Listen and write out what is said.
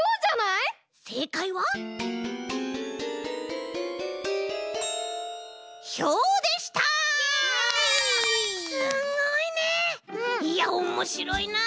いやおもしろいな。